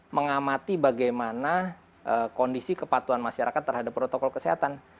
mengamati bagaimana kondisi kepatuhan masyarakat terhadap protokol kesehatan